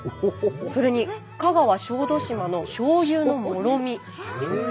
それに香川小豆島のしょうゆのもろみ。